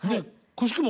くしくも